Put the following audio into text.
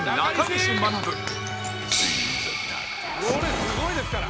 「これすごいですから」